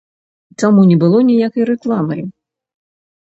Чаму не было ніякай рэкламы?